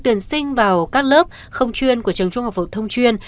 tuyển sinh vào các lớp không chuyên của trường trung học phổ thông chuyên